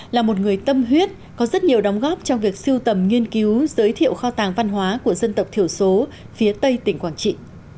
là một người tâm huyết có rất nhiều đóng góp trong việc siêu tầm nghiên cứu giới thiệu kho tàng văn hóa của dân tộc thiểu số phía tây tỉnh quảng trị